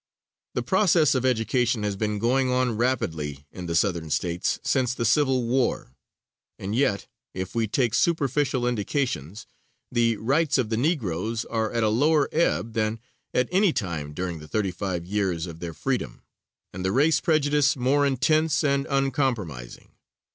The process of education has been going on rapidly in the Southern States since the Civil War, and yet, if we take superficial indications, the rights of the Negroes are at a lower ebb than at any time during the thirty five years of their freedom, and the race prejudice more intense and uncompromising.